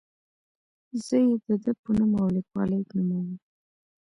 زه یې د ده په نوم او لیکلوالۍ نوموم.